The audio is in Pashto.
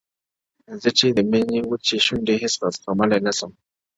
زه چي د «مينې» وچي سونډې هيڅ زغملای نه سم”